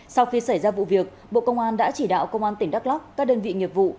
sau khi xảy ra vụ việc bộ công an đã chỉ đạo công an tỉnh đắk lóc các đơn vị nghiệp vụ